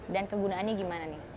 dan kegunaannya gimana nih